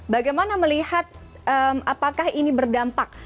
bagaimana melihat apakah ini berdampak